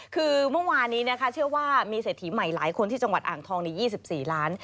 คือเมื่อวานนี้นะคะเชื่อว่ามีเศรษฐีใหม่หลายคนที่จังหวัดอ่างทองใน๒๔ล้าน